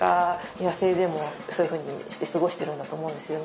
野生でもそういうふうにして過ごしているんだと思うんですよね。